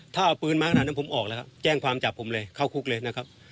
ถ้าเอาปืนมาขนาดนั้นผมออกแล้วครับแจ้งความจับผมเลยเข้าคุกเลยนะครับ